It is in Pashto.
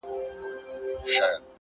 که نه وي خپل پردي; ستا په لمن کي جانانه;